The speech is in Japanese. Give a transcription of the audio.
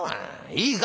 いいか？